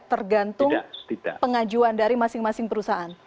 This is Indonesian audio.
tergantung pengajuan dari masing masing perusahaan